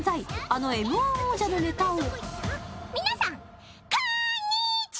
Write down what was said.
あのＭ−１王者のネタを。